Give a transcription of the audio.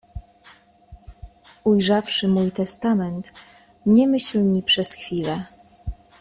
Ujrzawszy mój testament nie myśl ni przez chwilę…